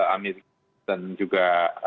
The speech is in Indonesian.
amerika dan juga